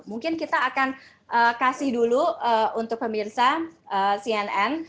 mungkin kita akan kasih dulu untuk pemirsa cnn